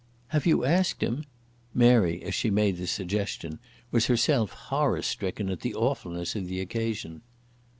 "Have you asked him?" Mary, as she made the suggestion, was herself horror stricken at the awfulness of the occasion.